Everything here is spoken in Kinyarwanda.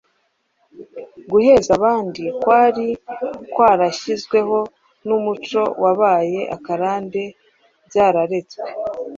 guheza abandi kwari kwarashyizweho n’umuco wabaye akarande byararetswe